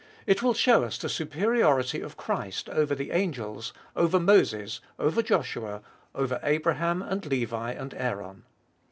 It will show us the superiority of Christ over the angels, over Moses, over Joshua, over Abraham and Levi and Aaron.